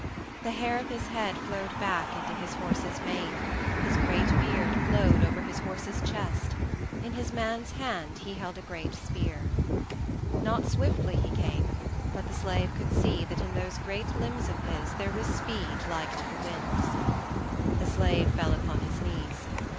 The hair of his head flowed back into his horse's mane, his great beard flowed over his horse's chest; in his man's hand he held a great spear. Not swiftly he came, but the slave could see that in those great limbs of his there was speed like to the wind's. The slave fell upon his knees.